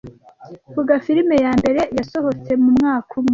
Vuga film ya mbere yasohotse mu mwaka umwe